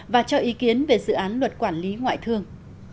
và cho ý kiến về dự án luật quản lý ngoại thương